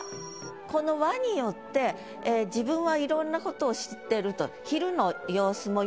この「は」によって自分はいろんなことを知ってると。